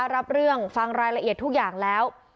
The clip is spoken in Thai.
รับเรื่องฟังรายละเอียดทุกอย่างแล้ว